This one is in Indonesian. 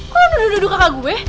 kok lo udah duduk kakak gue